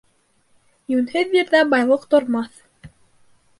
Йүнһеҙ ирҙә байлыҡ тормаҫ.